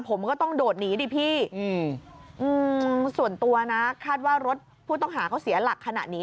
ผมก็ต้องโดดหนีดิพี่ส่วนตัวนะคาดว่ารถผู้ต้องหาเขาเสียหลักขนาดนี้